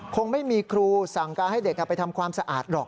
คงไม่มีครูสั่งการให้เด็กไปทำความสะอาดหรอก